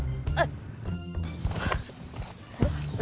ngapain lu tanya